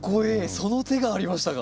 その手がありましたか。